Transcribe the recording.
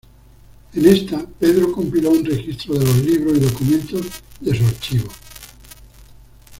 En esta, Pedro compiló un registro de los libros y documentos de su archivo.